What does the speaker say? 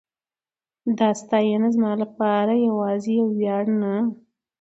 دا ستاینه زما لپاره یواځې یو ویاړ نه